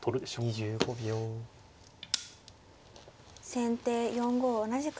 先手４五同じく銀。